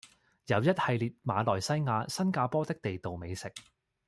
有一系列馬來西亞、新加坡的地道美食